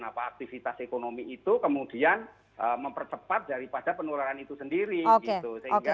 apa aktivitas ekonomi itu kemudian mempercepat daripada penularan itu sendiri gitu sehingga